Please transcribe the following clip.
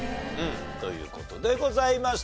という事でございました。